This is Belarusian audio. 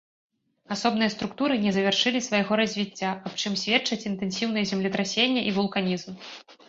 Асобныя структуры не завяршылі свайго развіцця, аб чым сведчаць інтэнсіўныя землетрасенні і вулканізм.